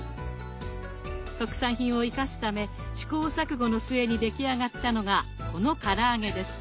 特産品を生かすため試行錯誤の末に出来上がったのがこのから揚げです。